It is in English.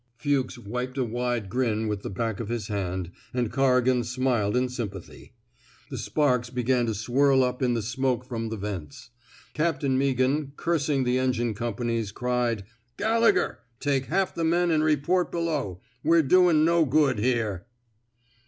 Fuchs wiped a wide grin with the back of his hand, and Corrigan smiled in sympathy. The sparks began to swirl up in the smoke from the vents. Captain Meaghan, cursing the engine companies, cried :Gallegher! Take half the men an* report below. We're doin' no good here."